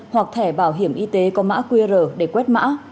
hoặc thẻ bảo hiểm y tế có mã qr để quét mã